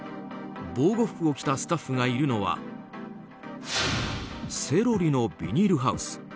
防護服を着たスタッフがいるのはセロリのビニールハウス。